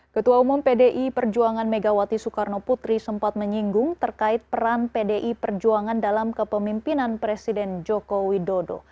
ketua umum pdi perjuangan megawati soekarno putri sempat menyinggung terkait peran pdi perjuangan dalam kepemimpinan presiden joko widodo